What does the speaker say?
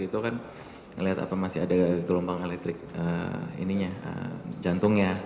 itu kan ngelihat apa masih ada gelombang elektrik jantungnya